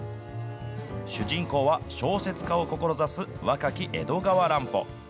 主人公は小説家を志す若き江戸川乱歩。